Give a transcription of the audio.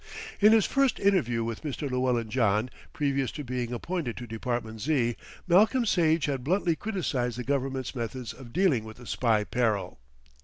In his first interview with Mr. Llewellyn John, previous to being appointed to Department Z., Malcolm Sage had bluntly criticised the Government's methods of dealing with the spy peril.